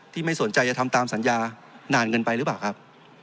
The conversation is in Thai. ไม่สนใจจะทำตามสัญญานานเกินไปหรือเปล่าครับ